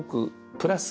プラス